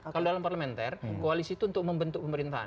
kalau dalam parlementer koalisi itu untuk membentuk pemerintahan